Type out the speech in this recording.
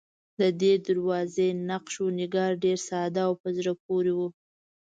ددې دروازې نقش و نگار ډېر ساده او په زړه پورې و.